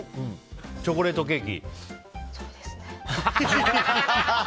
チョコレートケーキ？